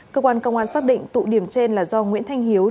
cơ quan công an xác định tụ điểm trên là do nguyễn thanh hiếu